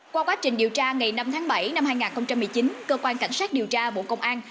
qua quá trình điều tra ngày năm tháng bảy năm hai nghìn một mươi chín cơ quan cảnh sát điều tra bộ công an